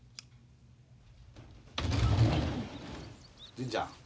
純ちゃん